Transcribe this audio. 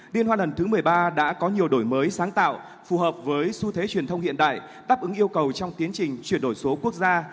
liên hoan lần thứ một mươi ba đã có nhiều đổi mới sáng tạo phù hợp với xu thế truyền thông hiện đại đáp ứng yêu cầu trong tiến trình chuyển đổi số quốc gia